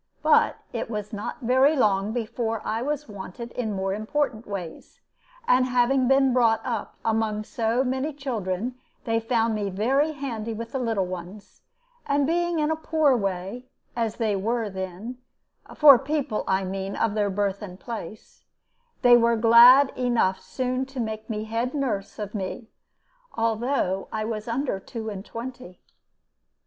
But it was not very long before I was wanted in other more important ways, and having been brought up among so many children, they found me very handy with the little ones; and being in a poor way, as they were then for people, I mean, of their birth and place they were glad enough soon to make head nurse of me, although I was under two and twenty.